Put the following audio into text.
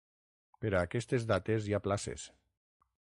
Per a aquestes dates hi ha places.